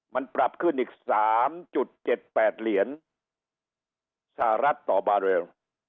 มันปรับขึ้นอีกสามจุดเจ็ดแปดเหรียญสหรัฐต่อบาร์เรียล